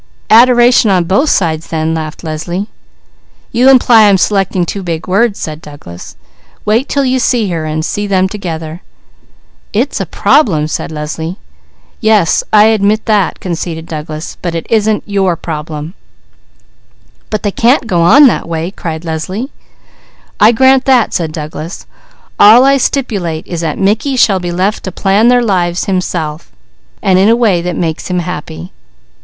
"Adoration on both sides, then," laughed Leslie. "You imply I'm selecting too big words," said Douglas. "Wait till you see her, and see them together." "It's a problem!" said Leslie. "Yes, I admit that!" conceded Douglas, "but it isn't your problem." "But they can't go on that way!" cried Leslie. "I grant that," said Douglas. "All I stipulate is that Mickey shall be left to plan their lives himself, and in a way that makes him happy."